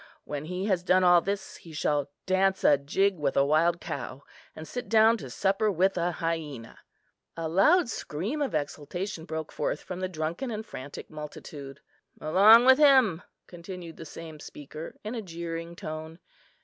When he has done all this he shall dance a jig with a wild cow, and sit down to supper with an hyena." A loud scream of exultation broke forth from the drunken and frantic multitude. "Along with him!" continued the same speaker in a jeering tone.